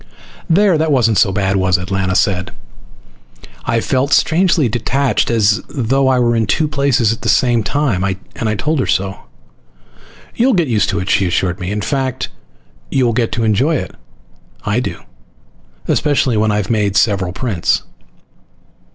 "There. That wasn't so bad, was it?" Lana said. I felt strangely detached, as though I were in two places at the same time. I told her so. "You'll get used to it," she assured me. "In fact, you will get to enjoy it. I do. Especially when I've made several prints."